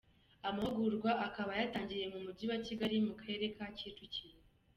Amahugurwa akaba yatangiriye mu Mujyi wa Kigali, mu Karere ka Kicukiro.